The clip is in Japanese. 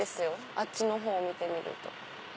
あっちのほうを見てみると。